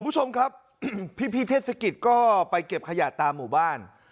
คุณผู้ชมครับพี่เทศกิจก็ไปเก็บขยะตามหมู่บ้าน